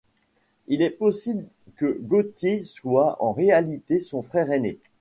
Il est possible que Gautier soit en réalité son frère aîné.